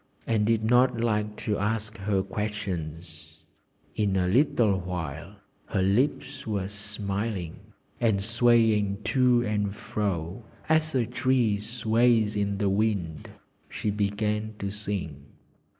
_" and did not like to ask her questions. In a little while her lips were smiling, and swaying to and fro, as a tree sways in the wind, she began to sing.